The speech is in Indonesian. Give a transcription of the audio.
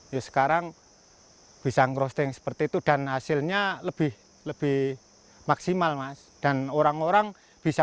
ya sekarang bisa ngerosting seperti itu dan hasilnya lebih lebih maksimal mas dan orang orang bisa